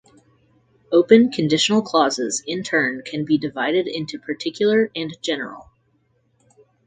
Open conditional clauses in turn can be divided into particular and general.